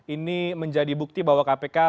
ini menjadi bukti bahwa kpk